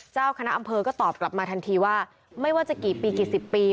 เจ้าคณะอำเภอก็ตอบกลับมาทันทีว่าไม่ว่าจะกี่ปีกี่สิบปี